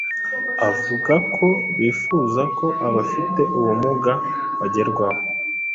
avuga ko bifuza ko abafite ubumuga bagerwaho